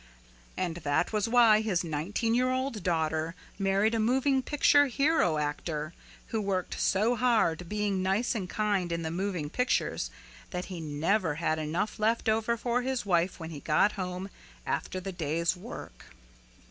And that was why his nineteen year old daughter married a moving picture hero actor who worked so hard being nice and kind in the moving pictures that he never had enough left over for his wife when he got home after the day's work.